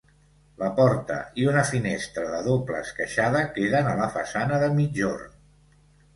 La porta i una finestra de doble esqueixada queden a la façana de migjorn.